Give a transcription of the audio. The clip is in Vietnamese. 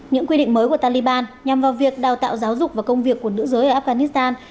những quy định mới của taliban nhằm vào việc đào tạo giáo dục và công việc của nữ giới ở afghanistan